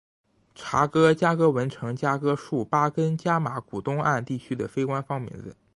查哥加哥文程加哥术巴根加马古东岸地区的非官方名字。